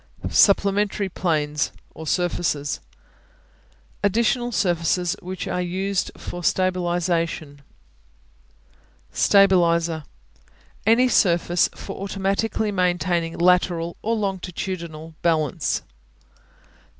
Supplementary Planes (or surfaces) Additional surfaces which are used for stabilization. Stabilizer Any surface for automatically maintaining lateral or longitudinal balance.